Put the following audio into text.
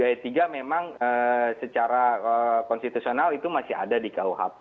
dua puluh tujuh e tiga memang secara konstitusional itu masih ada di kuhp